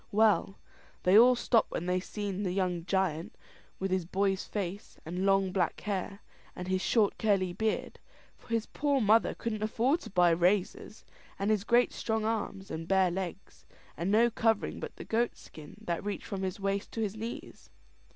Well, they all stopped when they seen the young giant, with his boy's face, and long black hair, and his short curly beard for his poor mother couldn't afford to buy razors and his great strong arms, and bare legs, and no covering but the goat skin that reached from his waist to his knees.